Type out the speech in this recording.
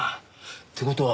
って事は。